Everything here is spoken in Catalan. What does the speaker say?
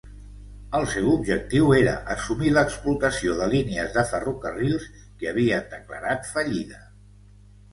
El seu objectiu era assumir l'explotació de línies de ferrocarrils que havien declarat fallida.